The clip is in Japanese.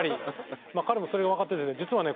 彼もそれがわかってて実はね